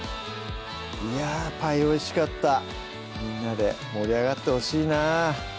いやぁパイおいしかったみんなで盛り上がってほしいな